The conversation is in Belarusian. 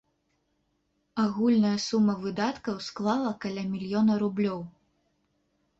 Агульная сума выдаткаў склала каля мільёна рублёў.